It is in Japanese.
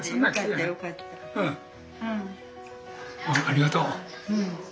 ありがとう。